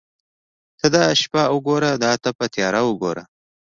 ته دا شپه وګوره دا تپه تیاره وګوره.